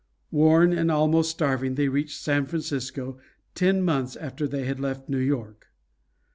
Worn and almost starving they reached San Francisco, ten months after they had left New York.